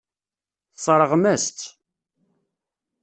Tesseṛɣem-as-tt.